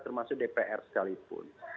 termasuk dpr sekalipun